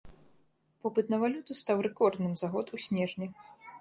Попыт на валюту стаў рэкордным за год у снежні.